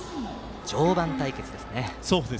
常磐対決ですね。